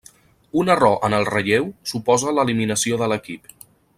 Un error en el relleu suposa l'eliminació de l'equip.